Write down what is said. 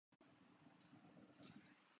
کسی اور ملک جانا پڑے گا